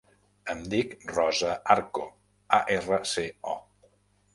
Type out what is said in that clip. Em dic Rosa Arco: a, erra, ce, o.